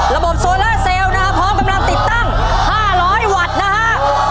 ระบบโซลาเซลพร้อมกำลังติดตั้ง๕๐๐วัตต์นะคะ